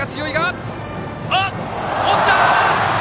落ちた！